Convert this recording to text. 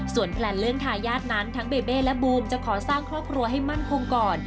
แพลนเรื่องทายาทนั้นทั้งเบเบ้และบูมจะขอสร้างครอบครัวให้มั่นคงก่อน